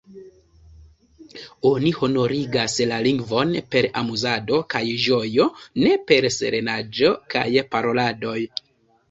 Oni honorigas la lingvon per amuzado kaj ĝojo, ne per solenaĵo kaj paroladoj.